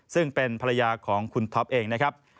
ซึ่งเป็นภรรยาของคุณท็อปเองนะครับ